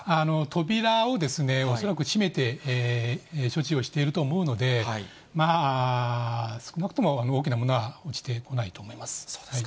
扉を恐らく閉めて、処置をしていると思うので、少なくとも大きなものは落ちてこないと思います。